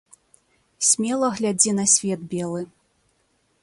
Смела глядзі на свет белы.